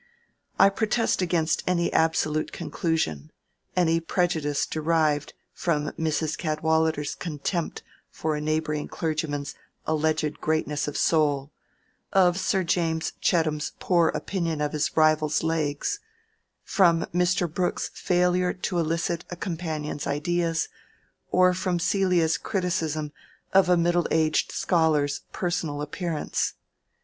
I protest against any absolute conclusion, any prejudice derived from Mrs. Cadwallader's contempt for a neighboring clergyman's alleged greatness of soul, or Sir James Chettam's poor opinion of his rival's legs,—from Mr. Brooke's failure to elicit a companion's ideas, or from Celia's criticism of a middle aged scholar's personal appearance.